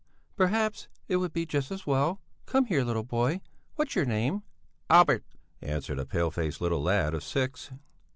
"Perhaps it would be just as well. Come here, little boy! What's your name?" "Albert," answered a pale faced little lad of six.